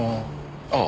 ああ。